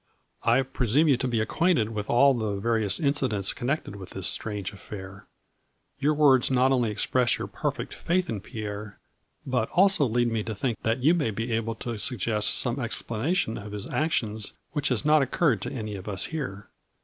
I presume you to be acquainted with all the various inci dents connected with this strange affair. Your words not only express your perfect faith in Pierre, but also lead me to think that you may be able to suggest some explanation of his actions which has not occurred to any of us here.